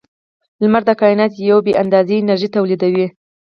• لمر د کائنات یوه بې اندازې انرژي تولیدوي.